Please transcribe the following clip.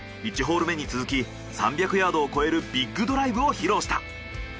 １ホール目に続き３００ヤードを越えるビッグドライブを披露した。